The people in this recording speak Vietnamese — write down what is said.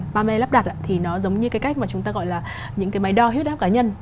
bame lắp đặt thì nó giống như cái cách mà chúng ta gọi là những cái máy đo huyết áp cá nhân